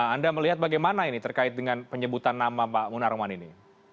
anda melihat bagaimana ini terkait dengan penyebutan nama pak munarman ini